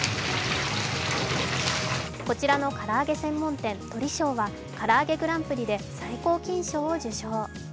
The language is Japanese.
こちらのからあげ専門店・鶏笑はからあげグランプリで最高金賞を受賞。